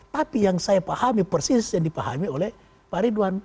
tapi yang saya pahami persis yang dipahami oleh pak ridwan